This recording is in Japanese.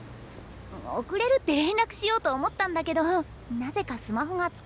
遅れるって連絡しようと思ったんだけどなぜかスマホが使えなくて。